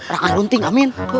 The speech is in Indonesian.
rangkaian runting amin